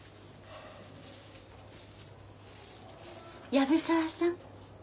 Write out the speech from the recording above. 藪沢さん。